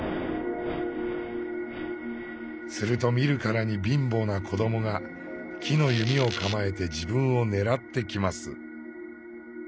すると見るからに貧乏な子どもが木の弓を構えて自分を狙ってきます。